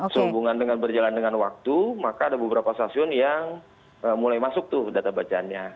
sehubungan dengan berjalan dengan waktu maka ada beberapa stasiun yang mulai masuk tuh data bacaannya